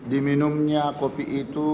diminumnya kopi itu